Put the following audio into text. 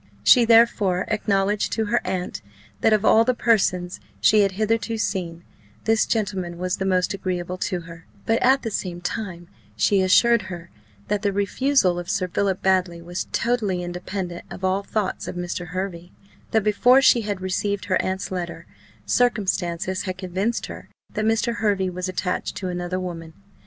She therefore acknowledged to her aunt, that of all the persons she had hitherto seen, this gentleman was the most agreeable to her; but at the same time she assured her, that the refusal of Sir Philip Baddely was totally independent of all thoughts of Mr. Hervey that, before she had received her aunt's letter, circumstances had convinced her that Mr. Hervey was attached to another woman.